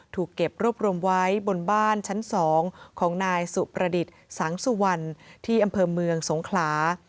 ถูกเก็บรวบรวมไว้บนบ้านชั้น๒ของนายสุประดิษฐ์สังสุวรรณที่อำเภอเมืองสงขลา